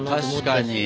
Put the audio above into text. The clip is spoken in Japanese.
確かに！